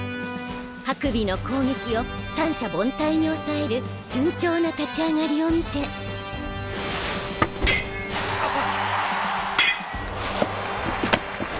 白尾の攻撃を三者凡退に抑える順調な立ち上がりを見せああ。